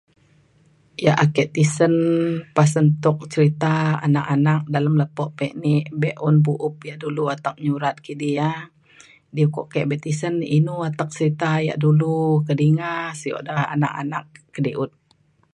ia' ake tisen pasen tuk cerita anak anak dalem lepo me ni be'un bu'up ia' dulu atek nyurat kidi ia'. di ko ake be tisen inu atek selita ia' dulu kedinga sio da anak anak kediut